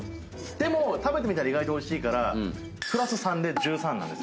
でも食べたら意外とおいしいからプラス３で１３なんです。